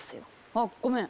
あっごめん。